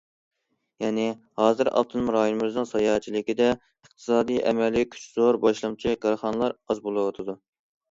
يەنى، ھازىر ئاپتونوم رايونىمىزنىڭ ساياھەتچىلىكىدە ئىقتىسادىي ئەمەلىي كۈچى زور باشلامچى كارخانىلار ئاز بولۇۋاتىدۇ.